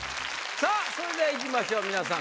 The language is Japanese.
さあそれではいきましょうみなさん